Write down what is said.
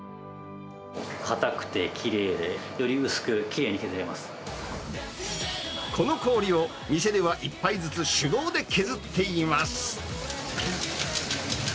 硬くてきれいで、より薄く、この氷を、店では１杯ずつ手動で削っています。